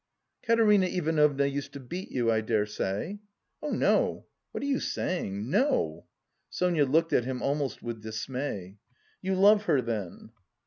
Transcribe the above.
"Katerina Ivanovna used to beat you, I dare say?" "Oh no, what are you saying? No!" Sonia looked at him almost with dismay. "You love her, then?"